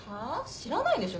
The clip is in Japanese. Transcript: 知らないでしょ